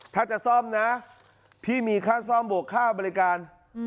ถ้าจะซ่อมนะพี่มีค่าซ่อมบวกค่าบริการ